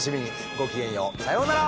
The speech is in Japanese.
ごきげんようさようなら！